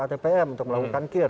atpm untuk melakukan kir